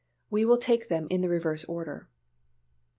We will take them in the reverse order.